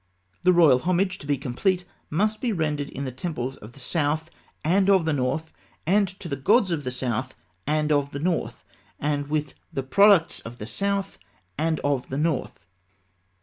The royal homage, to be complete, must be rendered in the temples of the south and of the north, and to the gods of the south and of the north, and with the products of the south and of the north.